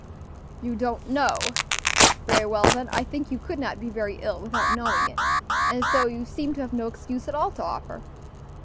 "You don't know? Very well, then, I think you could not be very ill without knowing it, and so you seem to have no excuse at all to offer?